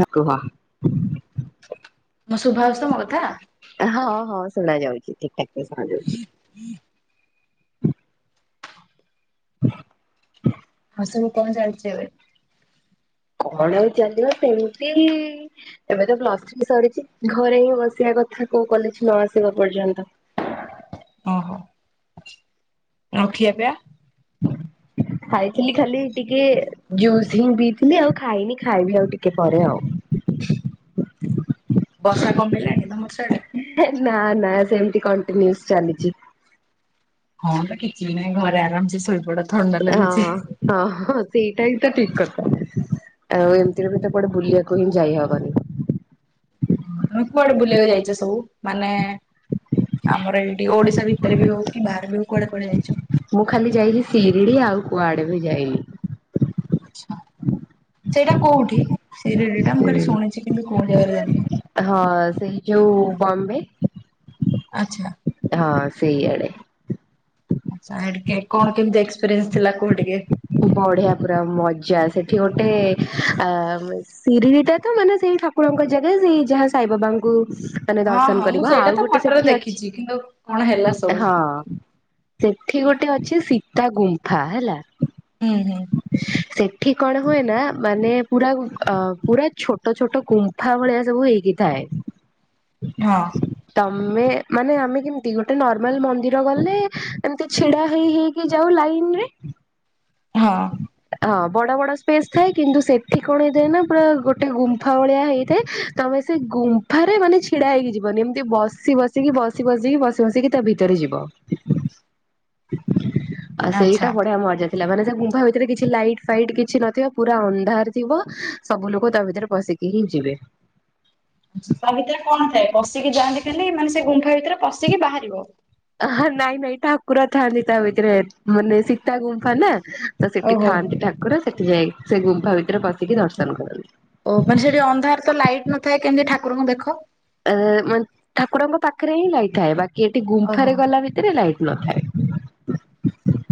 ରଖ ବା। ମୁଁ ଶୁଭା ହଉଛି ତ ମୋ କଥା। ହଁ ହଁ ଶୁଣାଯାଉଛି ଠିକ୍ ଠାକ୍ ଶୁଣାଯାଉଛି। ହୁଁ। ହଁ ସବୁ କଣ ଚାଲିଛି ଏବେ? କଣ ଆଉ ଚାଲିବ ସେମିତି। ଏବେ ତ ପ୍ଲୁସେଥ୍ରୀ ବି ସରିଛି ଘରେ ହିଁ ବସିବା କଥା କୋଉ କଲେଜ୍ ନ ଆସିବା ପର୍ଯ୍ୟନ୍ତ। ଓହୋ। ଆଉ ଖିଆପିଆ? ହଁ ଖାଇଥିଲି ଖାଲି ଟିକେ ଜୁସ୍ ହିଁ ପିଥିଲି ଆଉ ଖାଇନି ଖାଇବି ଆଉ ଟିକେ ପରେ ଆଉ। ବର୍ଷା କମିଲାଣି ତମ ସାଡେ? ନା ନା ସେମତି କଣ୍ଟିନସ୍ ଚାଲିଛି। ହଁ ତ କିଛି ବି ନାହିଁ ଘରେ ଆରାମ ସେ ଶୋଇପଡ଼ନ୍ତି। ହଁ ହଁ ସେଇଟା ହିଁ ତ ଠିକ୍ କଥା ଆଉ ଏମିତିରେ ବି ତ କୁଆଡେ ବୁଲିବା କୁ। [unintelligible] ଯାଇ ହବନି। ହଁ ତୋମେ କୁଆଡେ ବୁଲିବାକୁ ଯାଇଛ ସବୁ? ମାନେ ଆମର ଏଇଠି ଓଡିଶା ଭିତରେ ବି ହଉ କି ବାହାରେ ବି ହଉ କୁଆଡେ କୁଆଡେ ଯାଇଚ? ମୁଁ ଖାଲି ଯାଇଥିଲି ଶିରିଡି ଆଉ କୁଆଡେ ବି ଯାଇନି। ଛା ସେଇଟା କୋଉଠି ଶିରିଡି ଟା ମୁଁ ଖାଲି ଶୁଣିଛି କିନ୍ତୁ କୋଉ ଜାଗାରେ ଜାଣିନି? ହଁ ସେଇ ଯୋଉ ବମ୍ବେ ଆଚ୍ଛା। ହଁ ସେଇଆଡ଼େ। ଆଚ୍ଛା, ହେଠି କେ କଣ କେମିତି ଏକ୍ସପିରିଏନ୍ସ ଥିଲା କୁହ ଟିକେ? [unintelligible] ବଢିଆ ପୁରା ମଜା ସେଠି ଗୋଟେ ଆ, [unintelligible] ସିରିଡି ଟା ତ ମାନେ ସେଇ ଠାକୁରଙ୍କ ଜାଗା ସେଇ ଯାହା ସାଇବାବାଙ୍କୁ ତୋମେ ହଁ ଦର୍ଶନ ହଁ ମୁଁ କରିବ। ସେଇଟା ଆଉ ତ ଗୋଟେ ଫଟୋରେ ସେଠି ଅଛି ଦେଖିଛି କିନ୍ତୁ କଣ ହେଲା ସବୁ। ହଁ ସେଠି ଗୋଟେ ଅଛି ସୀତା ଗୁମ୍ଫା ହେଲା। ହୁଁ, ହୁଁ। ସେଠି କଣ ହୁଏ ନା ମାନେ ପୁରା ଅ, ପୁରା ଛୋଟ ଛୋଟ ଗୁମ୍ ଫା ଭଳିଆ ସବୁ ହେଇକି ଥାଏ। ହଁ। ତୋମେ ମାନେ ଆମେ କେମିତି ଗୋଟେ ନର୍ମାଲ୍ ମନ୍ଦିର ଗଲେ ଏମତି ଛିଡା ହେଇ ହେଇ କି ଯାଉ ଲାଇନ୍ ରେ। ହଁ। ହଁ ବଡ ବଡ ସ୍ପେସ୍ ଥାଏ। କିନ୍ତୁ ସେଠି କଣ ହେଇଥାଏ ନା ପୁରା ଗୋଟେ ଗୁମ୍ଫା ଭଳିଆ ହେଇଥାଏ। ତୋମେ ସେ ଗୁମ୍ଫାରେ ମାନେ ଛିଡା ହେଇକି ଯିବନି ଏମିତି ବସି ବସିକି ବସି ବସିକି ବସି ବସିକି ତା ଭିତରେ ଯିବ। ଆଉ ସେଇଟା ଆଚ୍ଛା। ବଢିଆ ମଜା ଥିଲା ମାନେ ସେ ମୁୁମ୍ଫା ଭିତରେ କିଛି ଲାଇଟ୍ ଫାଇଟ୍ କିଛି ନଥିବ। ପୁରା ଅନ୍ଧାର ଥିବ ସବୁ ଲୋକ ତା ଭିତରେ ପଶି କି ହିଁ ଯିବେ। ଆଚ୍ଛା ତା ଭିତରେ କଣ ଥାଏ? ପଶିକି ଯାଆନ୍ତି ଖାଲି ମାନେ ସେ ଗୁମ୍ଫା ଭିତରେ ପଶିକି ବାହାରିବ। ହଁ ନାଇଁ ନାଇଁ ଠାକୁର ଥାଆନ୍ତି ତା ଭିତରେ। ମାନେ ସୀତା ଗୁମ୍ଫା ନା। ତ ସେଠି ଓହୋ ଥାଆନ୍ତି ଠାକୁର। ସେଠି ଯାଇ ସେ ଗୁମ୍ଫା ଭିତରେ ପଶିକି ଦର୍ଶନ କରନ୍ତି। ଓ ମାନେ ସେଠି ଅନ୍ଧାର ତ ଲାଇଟ୍ ନଥାଏ କେମିତି ଠାକୁରଙ୍କୁ ଦେଖ? ଏ, ମାନ ଠାକୁରଙ୍କ ପାଖରେ ହିଁ ଲାଇଟ୍ ଥାଏ ବାକି ଏଠି ଓହୋ। ଗୁମ୍ଫାରେ ଗଲା ଭିତରେ ଲାଇଟ୍ ନଥାଏ।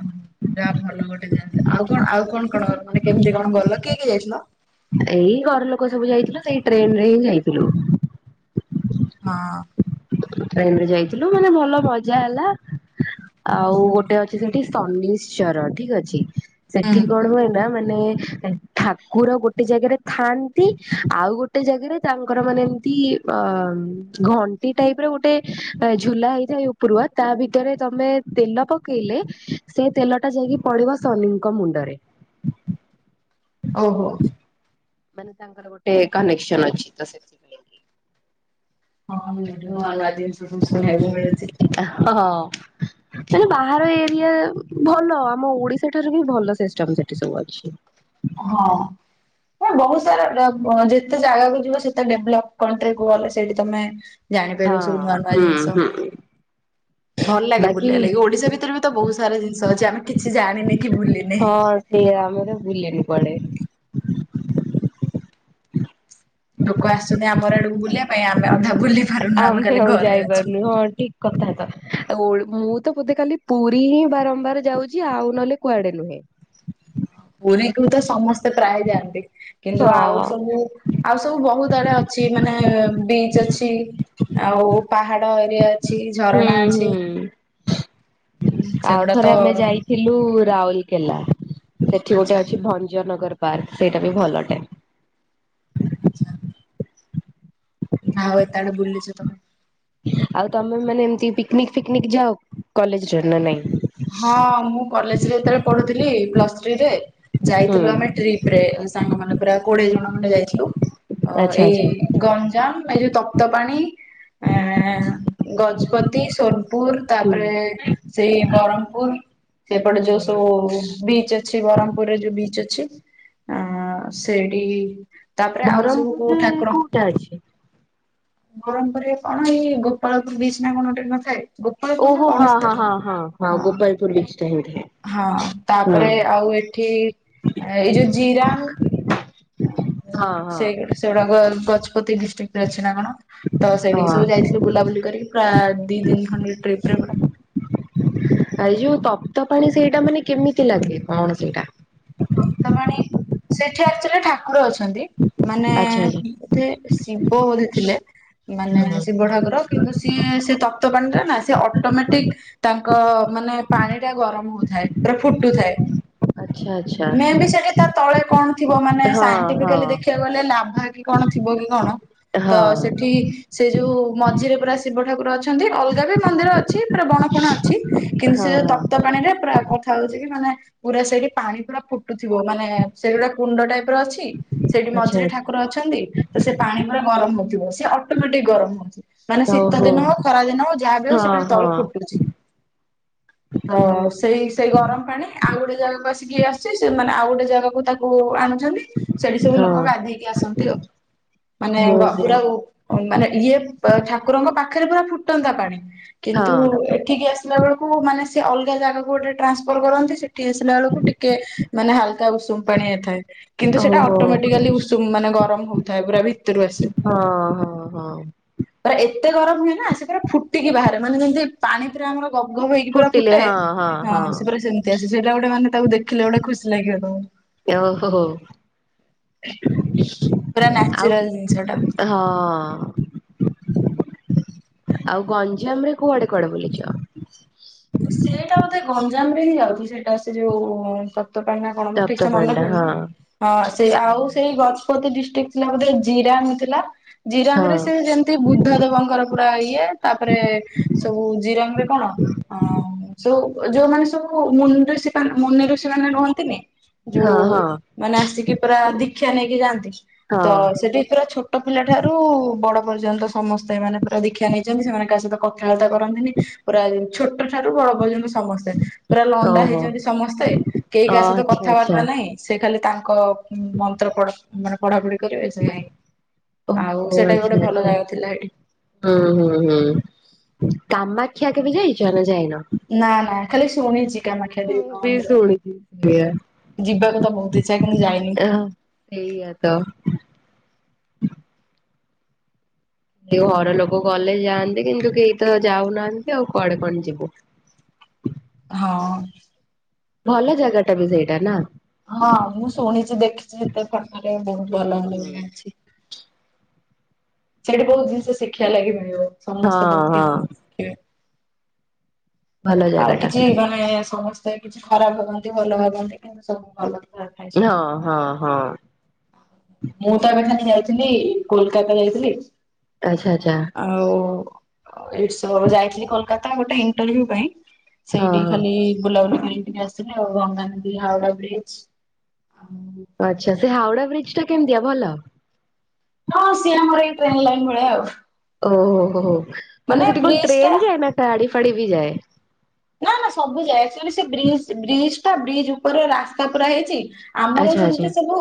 ଉଁ, ହୁଁ, ଯା ଭଲ ଗୋଟେ ଜାଗା ଥିଲା। ଆଉ କଣ ଆଉ କଣ କଣ ମାନେ କେମିତି କଣ ଗଲ କିଏ କିଏ ଯାଇଥିଲ? ଏଇ ଘର ଲୋକ ସବୁ ଯାଇଥିଲୁ ସେଇ ଟ୍ରେନ୍ ରେ ହିଁ ଯାଇଥିଲୁ। ହଁ। ଟେନ୍ ରେ ଯାଇଥିଲୁ ମାନେ ଭଲ ମଜା ହେଲା। ଆଉ ଗୋଟେ ଅଛି ସେଠି ଶନିଶ୍ଚର ଠିକ ଅଛି। ସେଠି ହୁଁ କଣ ହୁଏ ନା ମାନେ ଏ ଠାକୁର ଗୋଟେ ଜାଗାରେ ଥାଆନ୍ତି ଆଉ ଗୋଟେ ଜାଗାରେ ତାଙ୍କର ମାନେ ଏମତି ଅ, ମ୍- ଘଣ୍ଟି ଟାଇପ୍ ର ଗୋଟେ ଅ, ଝୁଲା ହେଇଥାଏ ଉପରୁଆ ତା ଭିତରେ ତୋମେ ତେଲ ପକେଇଲେ ସେ ତେଲ ଟା ଯାଇକି ପଡିବ ଶନିଙ୍କ ମୁଣ୍ଡରେ। ଓହୋ। ମାନେ ତାଙ୍କର ଗୋଟେ କନେକ୍ସନ୍ ଅଛି ତ ସେଥି ହଁ ମୁଁ ନୂଆ ନୂଆ ଜିନିଷ ସବୁ ଶୁଣିବାକୁ ମିଳୁଛି। ଆ, ହୋ, ହଁ। ମାନେ ବାହାର ଏରିଆ ଭଲ ଆମ ଓଡିଶା ଠାରୁ ବି ଭଲ ସିଷ୍ଟମ୍ ସେଠି ସବୁ ଅଛି। ହଁ। ହେ ବହୁ ସାରା ଯା ଯେତେ ଜାଗାକୁ ଯିବ ସେତେ ଡେଭ୍ଲପ୍ କରିଥାଉ କୁହ ଗଲେ ସେଇଠି ତମେ ଜାଣିପାରିବ ହଁ। ସବୁ ନୂଆ ନୂଆ ହୁଁ ଜିନିଷ। ହୁଁ ଭଲ ଲାଗେ ବାକି ବୁଲିଆଲାଗି ଓଡିଶା ଭିତରେ ବି ତ ବହୁ ସାରା ଜିନିଷ ଅଛି ଆମେ କିଛି ଜାଣିନି କି ବୁଲିିନେ। ସେଇଆ ଆମେତ ବୁଲିନି କୁଆଡ଼େ। ଲୋକ ଆସୁଚନ୍ତି ଆମର ଏଆଡେ ବୁଲିବା ପାଇଁ ଆମେ ଅଧା ବୁଲିନି। ଆମେ ତ ଆଉ ଯାଇ ପାରୁନୁ ଆଉ ଠିକ୍ କଥା ଟା ମୁଁ ତ ବୋଧେ ଖାଲି ପୁରୀ ହିଁ ବାରମ୍ବାର ଯାଉଚି ଆଉ ନଲେ କୁଆଡେ ନୁହେଁ। ପୁରୁରୀକୁ ତ ସମସ୍ତେ ପ୍ରାୟେ ଯାଆନ୍ତି କିନ୍ତୁ ଆଉ ହଁ ସବୁ। ଆଉ ସବୁ ବହୁତ୍ ଆଡେ ଅଛି ମାନେ ବିଚ୍ ଅଛି ଆଉ ପାହାଡ ଏରିଆ ଅଛି ଝରଣା ଅଛି। ହୁଁ ସେଗୁଡା ତ ଆଉଥରେ ଆମେ ଯାଇଥିଲୁ ରାଉଲ୍ କେଲା। ସେଠି ଗୋଟେ ଆଚ୍ଛା ଅଛି ଭଞ୍ଜନଗର ପାର୍କ ସେଇଟା ବି ଭଲ ଟେ। ଆଚ୍ଛା। ହଉ ଏତେ ଆଡେ ବୁଲିଚ ତମେ। ଆଉ ତମେ ମାନେ ଏମିତି ପିକ୍ ନିକ୍ ଫିକ୍ ନିକ୍ ଯାଅ କଲେଜ ରେ ନା ନାଇଁ? ହଁ ମୁଁ କଲେଜରେ ଯେତେବେଳେ ପଢୁଥିଲି ପ୍ଲସ୍ ଥ୍ରୀରେ ଯାଇଥିଲୁ ଆମେ ଟ୍ରିପ୍ ରେ ଆମେ ସାଙ୍ଗ ମାନେ ପୁରା କୋଡିଏ ଜଣ ଖଣ୍ଡେ ଯାଇଥିଲୁ ଅ ଆଚ୍ଛା ଏ ଆଚ୍ଛା। ଆଇ। ଗଞ୍ଜାମ୍ ଆଉ ଯୋଉ ତପ୍ତ ପାଣି ଆ ଗଜପତି ସୋନପୁର୍ ହୁଁ ତାପରେ ସେଇ ବ୍ରହ୍ମପୁର ସେପଟେ ଯୋଉ ସବୁ ବିଚ୍ ଅଛି ବ୍ରହ୍ମପୁରରେ ଯୋଉ ବିଚ୍ ଅଛି। ଆ ସେଇଠି ତାପରେ ଆଉ ସବୁ କୋଉ ଠାକୁର ସେଟା ଅଛି। ବ୍ରହ୍ମପୁରରେ କଣ ଏଇ ଗୋପାଳପୁର [inaudible] ଗୋଟେ ନଥାଏ। ଗୋପାଳପୁର ନା ଓହୋ କଣ ହଁ ହଁ ସେଟା ହଁ ହଁ ହଁ ଗୋପାଳପୁର ବିଚ୍ ଟା ବୋଧେ। ହଁ ତାପରେ ଆଉ ଏଠି ଏଇ ଯୋଉ ଜିରାଙ୍ଗ୍ ହଁ ହଁ ସେଇ ଗୁଡେ। ସେଗୁଡା କ ଗଜ୍ପତି ଦିଷ୍ଟିକ୍ ରେ ଅଛି ନା କଣ? ତ ସେଠିକି ହଁ ସବୁ ଯାଇଥିଲୁ ବୁଲାବୁଲି କରି କଣ ଦି ଦିନି ଖଣ୍ଡେ ଟ୍ରିପ୍ ରେ ପୁରା। ଏ ଯୋଉ ତପ୍ତ ପାଣି ସେଇଟା ମାନେ କେମିତି ଲାଗେ କଣ ସେଇଟା? ତପ୍ତପାଣୀ ସେଠି ଏକ୍ଟୁଆଲି ଠାକ୍ ଠାକୁର ଅଛନ୍ତି ମାନେ ଆଚ୍ଛା ଆଚ୍ଛା ବୋଧେ ଶିବ ବୋଧେ ଥିଲେ। ମାନେ ହୁଁ ଶିବଠାକୁର କିନ୍ତୁ ସିଏ ସେ ତପ୍ତ ପାଣିଟା ନା ସିଏ ଅଟୋ ମେଟିକ୍ ତାଙ୍କ ମାନେ ପାଣି ଟା ଗରମ ହଉଥାଏ ପୁରା ଫୁଟୁଥାଏ। ଆଚ୍ଛା ଆଚ୍ଛା। ମେ ବି ସେଠି ତା ତଳେ କଣ ଥିବ ମାନେ ହଁ ହଁ ସାଇଣ୍ଟିଫିକେଲ୍ ଦେଖିଆକୁ ଗଲେ ଲାଭା କି କଣ ଥିବ କି କଣ। ଅ ହ। ଏଠି ସେ ଯୋଉ ମଝିରେ ପୁରା ଶିବ ଠାକୁର ଅଛ ଅଛନ୍ତି। ଅଲଗା ବି ମନ୍ଦିର ଅଛି ପୁରା ବଣ ଫଣ ଅଛି କିନ୍ତୁ ସେ ଯୋଉ ହଁ ତପ୍ତ ପାଣିରେ ପୁରା କଥ୍ କଥା ହଉଚି କି ମାନେ ପୁରା ସେଇଠି ପାଣି ପୁରା ଫୁଟୁଥିବ। ମାନେ ସେଇଠି ଗୋଟେ କୁଣ୍ଡ ଟାଇପି ର ଅଛି ସେଇଠି ଆଚ୍ଛା ମଝିରେ ଆଚ୍ଛା। ଠାକୁର ଅଛନ୍ତି। ତ ସେ ପାଣି ପୁରା ଗରମ ହଉଥିବ ସେ ଅଟୋମେଟିକ୍ ଗରମ ହଉଥିବ। ମାନେ ଶୀତ ଓହୋ ଦିନ ହଉ ଖରା ଦିନ ହଉ ଯାହା ବି ହଁ ହଉ ସିଏ ହଁ ପୁରା ତଳୁ ହଁ ଫୁଟୁଚି। ତ ସେଇ ସେଇ ଗରମ ପାଣି ଆଉ ଗୋଟେ ଜାଗାକୁ ଆସିକି ଆସ୍ ସେ ସେମାନେ ଆଉ ଗୋଟେ ଜାଗାକୁ ତାକୁ ଆଣୁଚନ୍ତି ସେଠି ସବୁ ଲୋକ ଗାଧେଇକି ଆସନ୍ତି ଉ ମାନେ ଗ ହଁ ହଁ। ପୁରା ଉ। ମାନେ ଇଏ ପ ଠାକୁରଙ୍କ ପାଖେରେ ପୁରା ଫୁଟନ୍ତା ପାଣି କିନ୍ତୁ ଏଠିକି ଆସି ଲା ବଳୁକୁ ମାନେ ସେ ଅଲଗା ଜାଗାକୁ ଗୋଟେ ଟ୍ରାନ୍ସଫର କରନ୍ତି ସେଠି ଆସିଲା ବଳୁକୁ ଟି କେ ମାନେ ହାଲ୍ କା ଉଷୁମ୍ ପାଣିଆ ଥାଏ। କିନ୍ତୁ ହଁ ସେଟା ଓହୋ ଅଟୋମେଟିକାଲି ଉଷୁମ୍ ମାନେ ଗରମ ହଉଥାଏ ପୁରା ଭିତୁରୁ ଆସେ। ହଁ ହଁ ହଁ। ପରା ଏତେ ଗରମ୍ ହୁଏ ନା ସେ ପରା ଫୁଟିକି ବାହାରେ ମାନେ ଯେମିତି ପାଣି ପୁରା ଆମର ଗବ୍ ଗବ୍ ହେଇକି ପୁରା ଫୁଟିଲେ ଫୁଟେ ହଁ ହଁ ହଁ ସେଇଟା ଗୋଟେ ମାନେ ତାକୁ ଦେଖିଲେ ଗୋଟେ ଖୁସି ଲାଗିବ ତମୁ ଓହୋ ହଁ। ପୁରା ନ୍ୟାଚୁରାଲ ଜିନିଷ ଟା। ଆଉ ଗଞ୍ଜାମ୍ ରେ କୁଆଡେ କୁଆଡେ ବୁଲିଚ? ସେଇଟା ବୋଧେ ଗଞ୍ଜାମ୍ ରେ ହିଁ ଯାଉଚି ସେଇଟା ସେ ଯେଉ ତପାଣି ନା କଣ ମୋର ଠିକ୍ ସେ ମନେ ତପ୍ତପାଣ୍ଡା ହଁ। ପଡୁନି ହଁ ସେ ଆଉ ସେଇ ଗଜ୍ ପତି ଡିଷ୍ଟ୍ରିକ୍ଟ ନାଁ ବୋଧେ ଜିରାମ୍ ଥିଲା ଜିରାମ୍ ରେ ସେ ହଁ ଯେମି ତି ବୁଦ୍ଧ ଦେବଙ୍କର ପୁରା ଇଏ ତାପରେ ସବୁ ଜିରାଙ୍ଗ୍ ରେ କଣ ଯୋଉ ଯୋଉ ମାନେ ସବୁ ମୁନିଋଷି ମୁନିଋଷି ମାନେ ରୁହନ୍ତିନି ହଁ ଯୋଉ ହଁ ମାନେ ଆସିକି ପୁରା ଦୀକ୍ଷା ନେଇକି ଯାଆନ୍ତି ତ ହଁ ସେଠି ପୁରା ଛୋ ଟ ପିଲା ଠାରୁ ବଡ ପର୍ଯ୍ୟନ୍ତ ସମସ୍ତେ ଏମାନେ ପୁରା ଦୀକ୍ଷ୍ୟା ନେଇଚନ୍ତି ସେମାନେ କା ସହିତ କଥାବାର୍ତ୍ତା କରନ୍ତିନି ପୁରା ଛୋଟ ଠାରୁ ବଡ ପର୍ଯ୍ୟନ୍ତ ସମସ୍ତେ। ପୁରା ଲଣ୍ଡା ଓହୋ ହେଇଚନ୍ତି ସମସ୍ତେ କେହି ଅ କାହା ସହିତ ଆଚ୍ଛା ଆଚ୍ଛା। କଥାବାର୍ତ୍ତା ନାହିଁ ସେ ଖାଲି ତାଙ୍କ ମନ୍ତ୍ର ପଢ ମାନେ ପଢ଼ାପଢି କରିବେ ସେଇଆ ହିଁ। ଆଉ ଓହୋ ସେଟା ବି ଆଚ୍ଛା ଗୋଟେ ଭଲ ଆଚ୍ଛା ଜାଗା ଥିଲା ସେଠି। ହୁଁ ହୁଁ ହୁଁ। ନା ନା ଖାଲି ଶୁଣିଚି। କାମାକ୍ଷା ମୁଁ ଦେବ ବି ମନ୍ଦିର ଶୁଣିଛି ସେଇଆ ଯିବାକୁ ତ ବହୁତ୍ ଇଚ୍ଛା କି ମୁଁ ଯାଇନି। ହଁ ସେଇଆ ତ। ଏ ଘର ଲୋକ ଗଲେ ଯାଆନ୍ତି କିନ୍ତୁ କେହି ତ ଯାଉନାହାନ୍ତି ଆଉ କଆଡେ କଣ ଯିବୁ। ହଁ। ଭଲ ଜାଗା ଟା ବି ସେଇଟା ନା? ହଁ ମୁଁ ଶୁଣିଚି ଦେଖିଛି ଯେତେ ଫଟରେ ବହୁତ୍ ହୁଁ ଭଲ ବୋଲି ହୁଁ ଜାଣିଛି। ସେଠି ବହୁତ୍ ଜିନିଷ ଶିଖିଆ ଲାଗି ମିଳିବ ସମସ୍ତେ ହଁ ବହୁତ୍ ହଁ କିଛି ଶିଖିବେ। ଭଲ ଜାଗା ଆଉ ଟା କିଛି ମାନେ ସମସ୍ତେ କିଛି ଖରାପ୍ ଭାବନ୍ତି ଭଲ ଭାବନ୍ତି କିନ୍ତୁ ସବୁ ଭଲ। ଥାଏ ସେଠି। ହଁ ହଁ ହଁ। ମୁଁ ତ ଏବେ ଖାନି ଯାଇଥିଲି କୋଲ୍ କାତା ଯାଇଥିଲି ଆଛା ଆଛା। ଆଉ [inaudible] ଯାଇଥିଲି କଲ୍ କାତା ଗୋଟେ ଇଣ୍ଟରଭ୍ୟୁ ପାଇଁ ହଁ ସେଇଟି ଖାଲି ହଁ ବୁଲା ବୁଲିକିରି ଟିକେ ଆସି ଲି ଆଉ ଗଙ୍ଗାନଦୀ ହାଉଡା ବ୍ରିଜ୍ ଆଚ୍ଛା ସେ ହାଉଡା ବ୍ରିଜ୍ ଟା କେମିତିଆ ଭଲ? ହଁ ସିଏ ଆମର ଏଇ ଟ୍ରେନ୍ ଲାଇନ୍ ଭଳିଆ ଉ। ମାନେ ସେଠି କଣ ବ୍ରିଜ ଟା ଟ୍ରେନ୍ ଯାଏ ନା ଟାଡି ଫାଡି ବି ଯାଏ? ନା ନା ସବୁ ଯାଏ ଆକ୍ ଚୁଆଲି ସେ ବ୍ରିଜ୍ ବ୍ରିଜ୍ ଟା ବ୍ରିଜ୍ ଉପରେ ରାସ୍ତା ପୁରା ହେଇଚି। ଆମର ଆଚ୍ଛା ଆଚ୍ଛା ଯେମିତି ସବୁ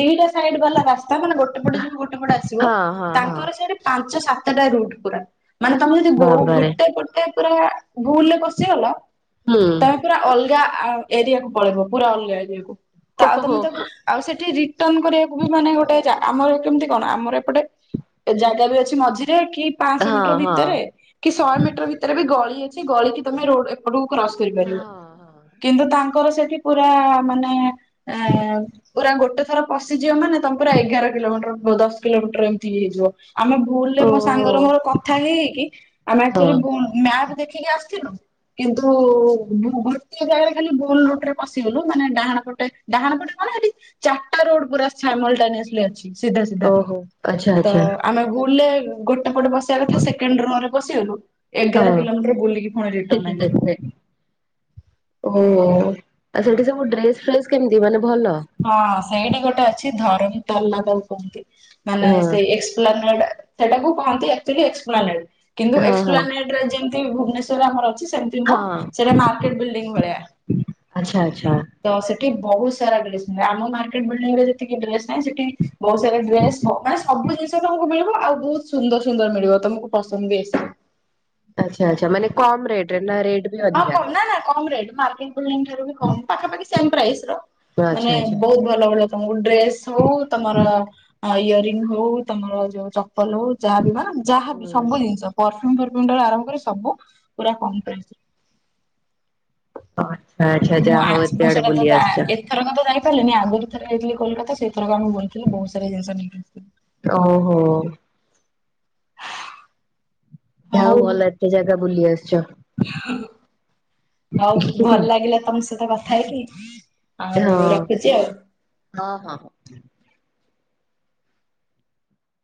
ଦିଟା ସାଇଡ୍ ବାଲା ରାସ୍ତା ମାନେ ଗୋଟେ ପଟେ ଯିବ ଗୋଟେ ପଟେ ଆସିବ ହଁ ହଁ ହଁ ତାଙ୍କର ସେଇଟା। ପାଞ୍ଚ ସାତଟା ରୁଟ ପୁରା ମାନେ ତମେ ଗୋଉଁ ବାବାରେ ଗୋଟେ ଗୋଟେ ପୁରା ଭୁଲେ ବସିଗଲ ହୁଁ ତମେ ପୁରା ଅଲଗା ଏରିଆକୁ ପଳେଇବ ପୁରା ଅଲଗା ଏରିଆକୁ। ତା ଓ ତମେ ହୋ ତାକୁ ଆଉ ସେଠି ରିଟର୍ଣ କରିବାକୁ ବି ମାନେ ଗୋଟେ ଜା ଆମର କେମିତି କଣ ଆମର ଏପଟେ ଜାଗା ବି ଅଛି ମଝିରେ କି ପାଞ୍ଚଶହ ହୋ ମିଟର ହଁ ହଁ ହଁ ହଁ ଭିତରେ କି ଶହେ ମିଟର ଭିତରେ ବି ଗଳି ଅଛି ଗଳି କି ତମେ ରୋଡ ଏପଟକୁ କ୍ରସ କରିପାରିବ। କିନ୍ତୁ ତାଙ୍କର ସେଠି ପୁରା ମାନେ ଏଁ ପୁରା ଗୋଟେ ଥର ପଶିଯିବ ମାନେ ତମ ପୁର ଏଗାର କିଲୋମିଟର ଦଶ କିଲୋମିଟର ଏମିତି ବି ହେଇଯିବ। ଆମେ ଭୁଲ ରେ ମୋ ଓହୋ ସାଙ୍ଗର ମୋର କଥା ହେଇ ହେଇକି ଆମେ ହଁ ଆକ୍ଚଲି ବୋ ମ୍ୟାପ ଦେଖିକି ଆସିଥିଲୁ। କିନ୍ତୁ ଗୋଟିଏ ଜାଗାରେ ଖାଲି ବୋଲ ରୋଟରେ ପଶିଗଲୁ ମାନେ ଡାହାଣ ପଟେ ଡାହାଣ ପଟେ କଣ ହେଟି ଚାରିଟା ରୋଡ ପୁରା ସ୍ୟାମଲ ଟାଇଲି ଆସିଲ ଅଛି। ସିଧା ସିଧା ଓହୋ ଆଚ୍ଛା ତ ଆଚ୍ଛା ଆମେ ବୁଲେ ଗୋ ଏପଟେ ବସିବା କଥା ସେକେଣ୍ଡ ରୋରେ ବସିଗଲୁ ଏଗାର ହଁ କିଲୋମିଟର ବୁଲିକି ଫଣିରେ [inaudible] ଓ ଆଉ ସେଠି ସବୁ ଡ୍ରେସ ଫ୍ରେସ କେମିତି ମାନେ ଭଲ। ହଁ ସେଇଟି ସେଇଟି ଗୋଟେ ଅଛି ଧରଣି ତଲା ତାକୁ କୁହନ୍ତି ମାନେ ହଁ ସେହି ଏକ୍ସପ୍ଲାନେଟେ। ସେଟାକୁ କହନ୍ତିଆଚ୍ୟଲି ଏକ୍ସପ୍ଲାନେଟ କିନ୍ତୁ ହଁ ହଁ ଏକ୍ସପ୍ଲାନେଟ ଯେମିତି ଭୁବନେଶ୍ୱରରେ ଆମର ଅଛି ସେମ୍ ଟିମ୍ ହଁ ସେଟା ମାର୍କେଟେ ବିଡିଙ୍ଗି ଭଳିଆ ଆଚ୍ଛା ଆଚ୍ଛା ତ ସେଠି ବହୁ [unintelligible] ଆମ ମାର୍କଟ ବିଲ୍ଡିଂ ରେ ଯେତିକି ଡ୍ରେସ ନାହିଁ ସେଠି ବହୁତ ସାରା ଡ୍ରେସ ସମ୍। ସ ସବୁ ଜିନିଷ ତମକୁ ମିଳିବ ଆଉ ବହୁତ ସୁନ୍ଦର ସୁନ୍ଦର ମିଳିବ ତମକୁ ପସନ୍ଦ ବି ଆସିବ। ଆଚ୍ଛା ଆଚ୍ଛା ମାନେ କମ୍ ରେଟ ରେ ନା ରେଟ ବି ହଁ ଅଧିକା? କନା ନା କମ ରେଟ ମାର୍କ ଲିଙ୍କିଠାରୁ ବି କମ ପାଖାପାଖି ସେମେ ପ୍ରାଇସ ର ମାନେ ଆଚ୍ଛା ଆଚ୍ଛା। ବହୁତ ଭଲ ଭଲ ତମକୁ ଡ୍ରେସ ହଉ ତମର ଇୟରିଙ୍ଗ ହଉ ତମର ଯୋଉ ଚ ପଲ ହଉ ଯାହାବିମାନ ଯାହାବି ସବୁ ହୁଁ ଜିନିଷ ପ୍ରଫ୍ୟୁମ୍ ଫ୍ରଫ୍ୟୁମ୍ ଆରମ୍ଭ କରି ସବୁ ପୁରା କମ ରେଟ୍। [unintelligible] ମୁଁ ଆସେ ଏତେ ମୁଁ ଆଡେ ସେଇଟା ବୁଲି ତତେ ଆସିଛ। ଆ ଥରକ ତ ଯାଇପାରିଲିନି ଆଗରୁ ଥର ଯାଇଥିଲି କୋଲକାତା ସେଇଥର ଆମେ ବୁଲିଥିଲୁ ବହୁତ ସାରା ଜିନିଷ ନେଇକିରି ଆସିଥିଲୁ। ଓହୋ। ଯାହା ହଉ ଭଲ ଏତେ ଜାଗା ବୁଲି ଆସିଚ। ହଉ ଭଲ ଲାଗିଲା ତମ ସହିତ କଥା ହେଇକି। ଆଉ ରଖୁଛି ଆଉ। ହଁ ହଁ ହଁ।